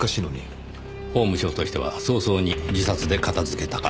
法務省としては早々に自殺で片づけたかった。